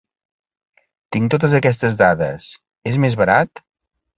Tinc totes aquestes dades, és més barat?